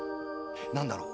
「何だろう」